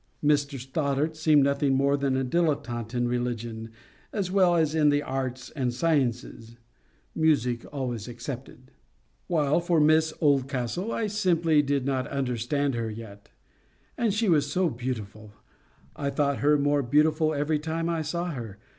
Mr Stoddart seemed nothing more than a dilettante in religion, as well as in the arts and sciences—music always excepted; while for Miss Oldcastle, I simply did not understand her yet. And she was so beautiful! I thought her more, beautiful every time I saw her.